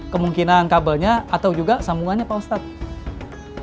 kemungkinan kabelnya atau juga sambungannya pak ustadz